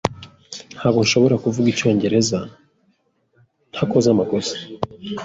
S S Ntabwo nshobora kuvuga icyongereza ntakoze amakosa.